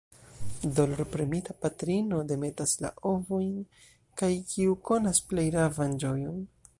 Dolorpremita, patrino demetas la ovojn, kaj, kiu konas plej ravan ĝojon?